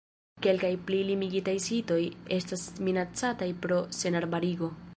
Kelkaj pli limigitaj sitoj estas minacataj pro senarbarigo.